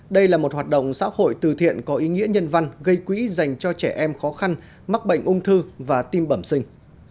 đây là một hoạt động xã hội từ thiện có ý nghĩa nhân văn gây quỹ dành cho trẻ em khó khăn mắc bệnh ung thư và tim bẩm sinh